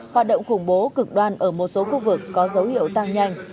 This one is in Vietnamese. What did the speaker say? hoạt động khủng bố cực đoan ở một số khu vực có dấu hiệu tăng nhanh